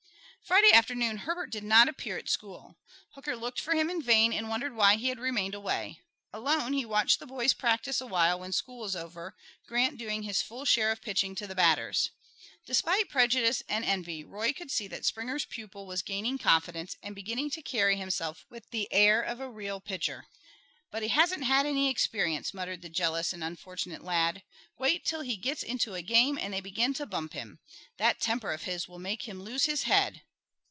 Friday afternoon Herbert did not appear at school. Hooker looked for him in vain and wondered why he had remained away. Alone he watched the boys practice a while when school was over, Grant doing his full share of pitching to the batters. Despite prejudice and envy, Roy could see that Springer's pupil was gaining confidence and beginning to carry himself with the air of a real pitcher. "But he hasn't had any experience," muttered the jealous and unfortunate lad. "Wait till he gets into a game and they begin to bump him. That temper of his will make him lose his head."